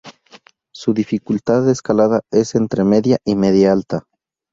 Su dificultad de escalada es entre Media y Media-Alta.